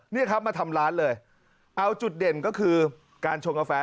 นี่ครับมาทำร้านเลยเอาจุดเด่นก็คือการชงกาแฟ